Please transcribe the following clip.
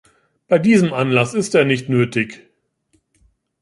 Bei diesem Anlass ist er nicht nötig.